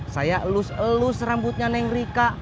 saya elus elus rambutnya neng rika